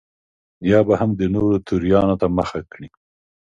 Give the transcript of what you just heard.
یا به هم د نورو تیوریانو ته مخه کړي.